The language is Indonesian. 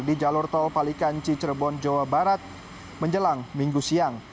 di jalur tol palikanci cirebon jawa barat menjelang minggu siang